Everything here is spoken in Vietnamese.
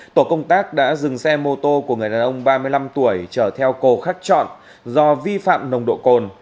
tổ công tác đã dừng xe mô tô của người đàn ông ba mươi năm tuổi trở theo cổ khắc trọn do vi phạm nồng độ cồn